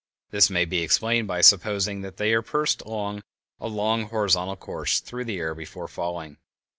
This may be explained by supposing that they pursued a long, horizontal course through the air before falling.